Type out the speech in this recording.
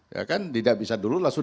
ya kan tidak bisa dulu langsung